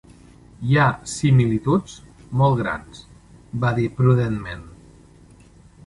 "Hi ha similituds molt grans", va dir prudentment.